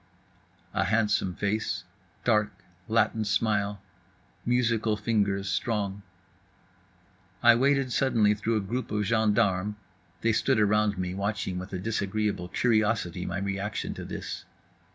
A handsome face, dark, Latin smile, musical fingers strong. I waded suddenly through a group of gendarmes (they stood around me watching with a disagreeable curiosity my reaction to this).